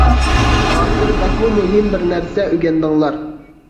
ھازىر بەكمۇ مۇھىم بىر نەرسە ئۆگەندىڭلار.